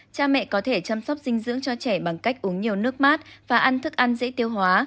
cha mẹ có thể chăm sóc dinh dưỡng cho trẻ bằng cách uống nhiều nước mát và ăn thức ăn dễ tiêu hóa